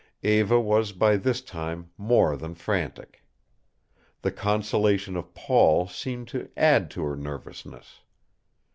Eva was by this time more than frantic. The consolation of Paul seemed to add to her nervousness.